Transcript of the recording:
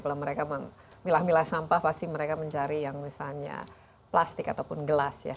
kalau mereka memilah milah sampah pasti mereka mencari yang misalnya plastik ataupun gelas ya